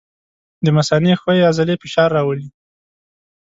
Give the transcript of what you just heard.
د مثانې ښویې عضلې فشار راولي.